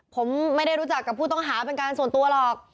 ผมไม่ได้รู้จักกับผู้ต้องหาเป็นการส่วนตัวหรอก